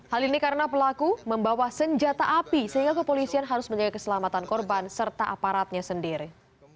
hal ini karena pelaku membawa senjata api sehingga kepolisian harus menjaga keselamatan korban serta aparatnya sendiri